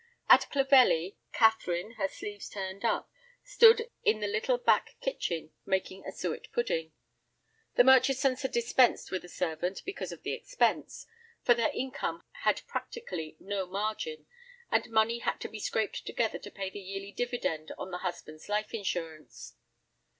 At Clovelly, Catherine, her sleeves turned up, stood in the little back kitchen making a suet pudding. The Murchisons had dispensed with a servant because of the expense, for their income had practically no margin, and money had to be scraped together to pay the yearly dividend on the husband's life insurance.